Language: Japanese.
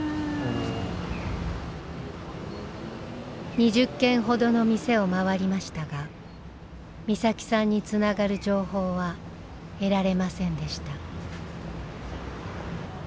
２０軒ほどの店を回りましたが美咲さんにつながる情報は得られませんでした。